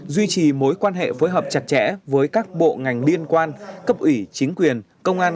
duy trì mối quan hệ phối hợp chặt chẽ với các bộ ngành liên quan cấp ủy chính quyền công an